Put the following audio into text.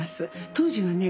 当時はね